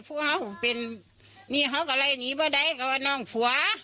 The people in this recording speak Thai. พวกเขาเป็นนี่เขาก็ลายหนีก็ได้ก็ว่าน้องผัว